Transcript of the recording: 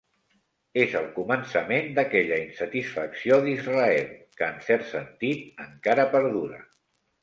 És el començament d'aquella insatisfacció d'Israel, que en cert sentit, encara perdura.